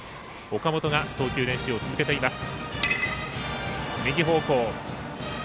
岡本が投球練習を続けています。